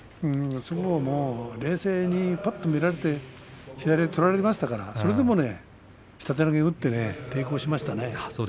冷静にぱっと見られて左を取られましたからそれでも下手投げを打って抵抗しましたね。